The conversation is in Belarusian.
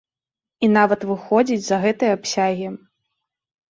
І нават выходзіць за гэтыя абсягі.